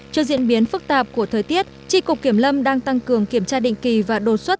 trước diễn biến phức tạp của thời tiết tri cục kiểm lâm đang tăng cường kiểm tra định kỳ và đột xuất